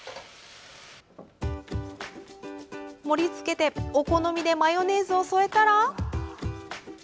盛りつけてお好みでマヨネーズを添えたら。